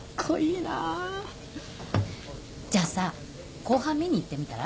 じゃあさ公判見に行ってみたら？